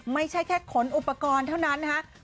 ไม่ใช่แค่ขนอุปกรณ์เท่านั้นนะคะ